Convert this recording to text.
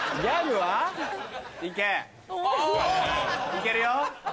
いけるよ。